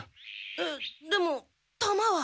えっでも弾は？